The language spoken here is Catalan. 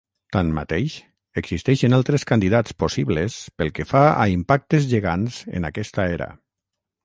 Tanmateix, existeixen altres candidats possibles pel que fa a impactes gegants en aquesta era.